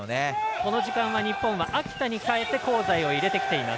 この時間、日本は秋田に代えて香西を入れてきています。